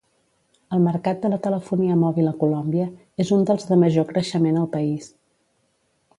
El mercat de la telefonia mòbil a Colòmbia és un dels de major creixement al país.